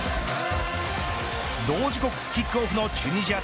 同時刻キックオフのチュニジア対